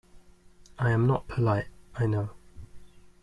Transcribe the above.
I am not polite, I know.